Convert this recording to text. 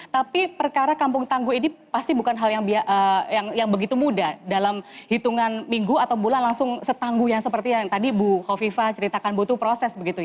tapi perkara kampung tangguh ini pasti bukan hal yang begitu mudah dalam hitungan minggu atau bulan langsung setangguh yang seperti yang tadi bu hovifa ceritakan butuh proses